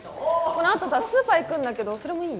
このあとさスーパー行くんだけどそれもいい？